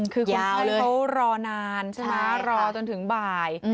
คือคนไข้เขารอนานรอจนถึงบ่าย